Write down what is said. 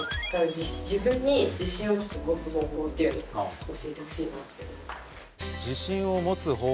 自分に自信を持つ方法っていうのを教えてほしいなと。